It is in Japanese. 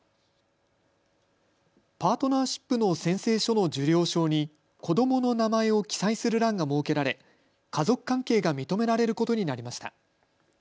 パートナーシップの宣誓書の受領証に子どもの名前を記載する欄が設けられ、家族関係が認められることになりました。